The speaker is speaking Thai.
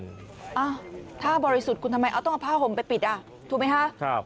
อ้าวถ้าบริสุทธิ์คุณทำไมเอาต้องเอาผ้าห่มไปปิดอ่ะถูกไหมคะ